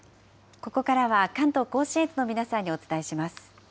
ここからは関東甲信越の皆さんのお伝えします。